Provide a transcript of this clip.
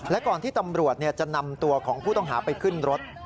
และก่อนที่ตำรวจจะนำตัวของผู้ต้องหาไปขึ้นรถ